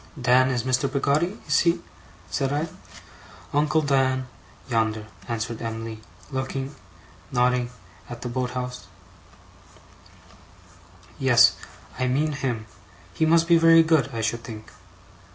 'Dan is Mr. Peggotty, is he?' said I. 'Uncle Dan yonder,' answered Em'ly, nodding at the boat house. 'Yes. I mean him. He must be very good, I should think?